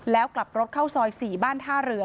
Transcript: แล้วกลับรถเข้าซอย๔บ้านท่าเรือ